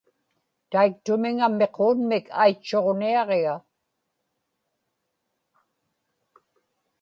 taiktumiŋa miquunmik aitchuġniaġiga